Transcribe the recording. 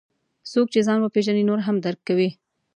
څوک چې ځان وپېژني، نور هم درک کوي.